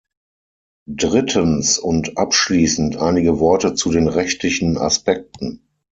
Drittens und abschließend einige Worte zu den rechtlichen Aspekten.